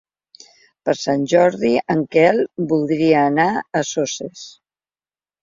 Per Sant Jordi en Quel voldria anar a Soses.